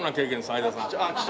相田さん。